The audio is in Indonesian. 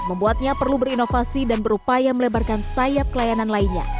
membuatnya perlu berinovasi dan berupaya melebarkan sayap pelayanan lainnya